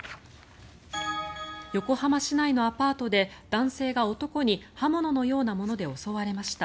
横浜市内のアパートで男性が男に刃物のようなもので襲われました。